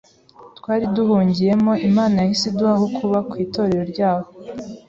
twari duhungiyemo. Imana yahise iduha aho kuba ku itorero ryaho